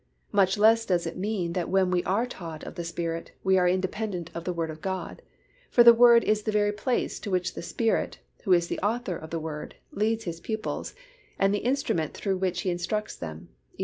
Much less does it mean that when we are taught of the Spirit, we are independent of the written Word of God; for the Word is the very place to which the Spirit, who is the Author of the Word, leads His pupils and the instrument through which He instructs them (Eph.